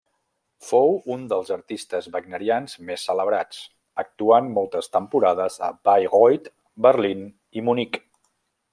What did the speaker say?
Fou un dels artistes wagnerians més celebrats, actuant moltes temporades a Bayreuth, Berlín i Munic.